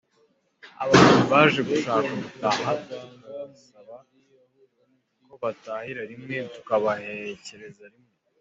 Abantu baje gushaka gutaha tubasaba ko batahira rimwe tukabaherekereza rimwe.